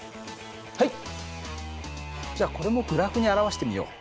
じゃこれもグラフに表してみよう。